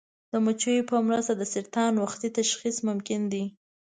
د مچیو په مرسته د سرطان وختي تشخیص ممکن دی.